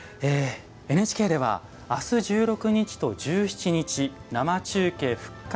ＮＨＫでは、あす１６日と１７日「生中継復活！